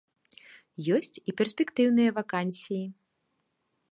Ёсць і перспектыўныя вакансіі.